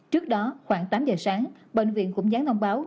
trước đó khoảng tám h sáng bệnh viện cũng gián thông báo